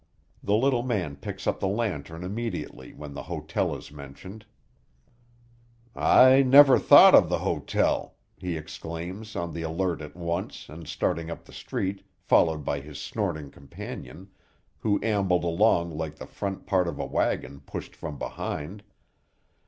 The little man picks up the lantern immediately when the hotel is mentioned. "I never thought of the hotel," he exclaims, on the alert at once, and starting up the street, followed by his snorting companion, who ambled along like the front part of a wagon pushed from behind.